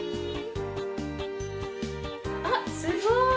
あっすごい！